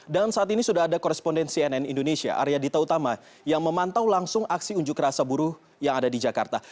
dan saat ini sudah ada koresponden cnn indonesia arya dita utama yang memantau langsung aksi unjuk rasa buruh yang ada di jakarta